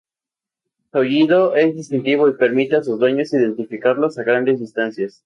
Su aullido es distintivo y permite a sus dueños identificarlos a grandes distancias.